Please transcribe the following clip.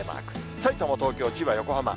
さいたま、東京、千葉、横浜。